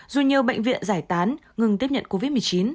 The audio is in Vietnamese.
dù nhiều bệnh viện giải tán ngừng tiếp nhận covid một mươi chín